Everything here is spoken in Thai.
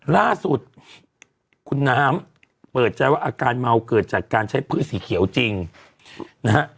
ล่าสุดคุณน้ำเปิดใจว่าอาการเมาเกิดจากการใช้พืชสีเขียวจริงนะฮะ